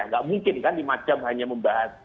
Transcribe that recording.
nggak mungkin kan lima jam hanya membahas